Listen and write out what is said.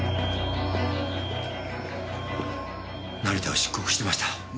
成田を出国してました。